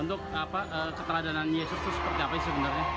untuk keteladanan yesus itu seperti apa sih sebenarnya